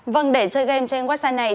vâng để chơi game trên website này